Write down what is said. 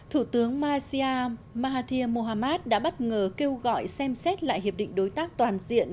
thủ tướng malaysia mahathir mohamad đã bất ngờ kêu gọi xem xét lại hiệp định đối tác toàn diện